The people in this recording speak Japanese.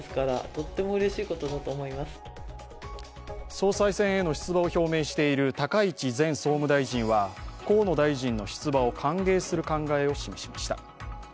総裁選への出馬を表明している高市前総務大臣は河野大臣の出馬を歓迎する考えを示しました。